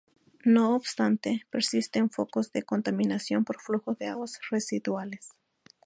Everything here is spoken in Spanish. No obstante, persisten focos de contaminación por flujo de aguas residuales.